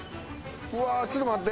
うわあちょっと待って！